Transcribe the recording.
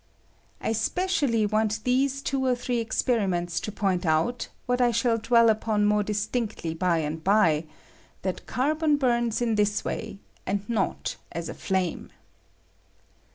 I special ly want these two or three experiments to point out what I shall dwell upon more distinctly by and by — that carbon bums in this way, and not as a flame.